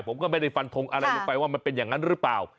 ผมก็ไม่ได้ฟันทงอะไรลงไปว่ามันเป็นอย่างนั้นหรือเปล่า